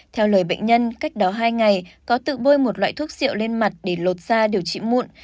theo lời bệnh nhân cách đó hai ngày có tự bơi một loại thuốc rượu lên mặt để lột da điều trị muộn